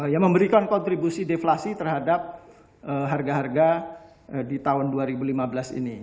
yang memberikan kontribusi deflasi terhadap harga harga di tahun dua ribu lima belas ini